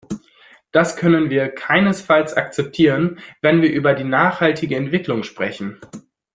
Das können wir keinesfalls akzeptieren, wenn wir über die nachhaltige Entwicklung sprechen.